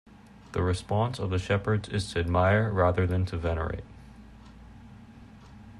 The response of the shepherds is to admire rather than to venerate.